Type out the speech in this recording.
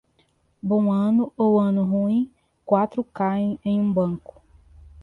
Bom ano ou ano ruim, quatro caem em um banco.